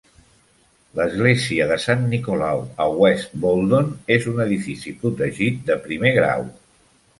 L'església de Sant Nicolau a West Boldon és un edifici protegit de primer grau.